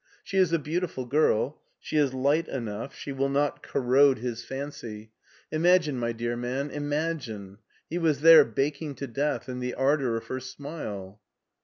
She is a beau tiful girl. She is light enough, she will not corrocle (( i86 MARTIN SCHULER his fancy. Imagine, my dear man, imagine. He was there baking to death in the ardor of her smile."